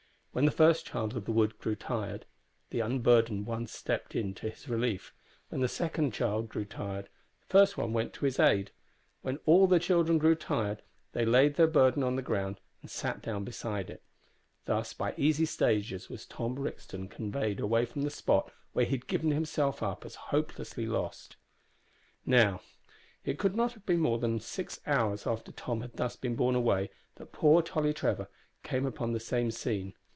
When the first child of the wood grew tired, the unburdened one stepped in to his relief; when the second child grew tired, the first one went to his aid; when all the children grew tired, they laid their burden on the ground and sat down beside it. Thus, by easy stages, was Tom Brixton conveyed away from the spot where he had given himself up as hopelessly lost. Now, it could not have been more than six hours after Tom had thus been borne away that poor Tolly Trevor came upon the same scene.